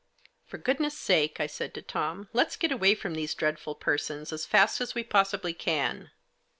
" For goodness' sake," I said to Tom, " let's get away from these dreadful persons as fast as we possibly can."